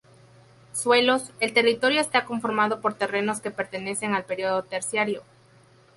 Suelos: El territorio está conformado por terrenos que pertenecen al periodo terciario.